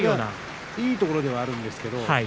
いいところではあるんですけどね。